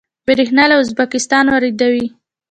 بریښنا له ازبکستان واردوي